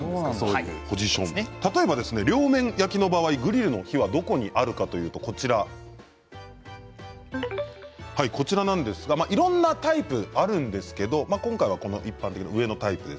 例えば、両面焼きの場合グリルの火はどこにあるかというといろんなタイプがあるんですけど今回は一般的な上のタイプ